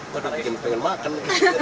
wah pengen makan